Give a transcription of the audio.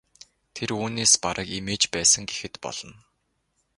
Тэр үүнээс бараг эмээж байсан гэхэд болно.